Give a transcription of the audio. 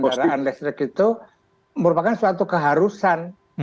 kendaraan listrik itu merupakan suatu keharusan